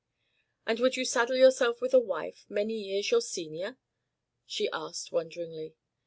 "And you would saddle yourself with a wife many years your senior?" she asked wonderingly.